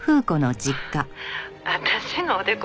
「私のおでこ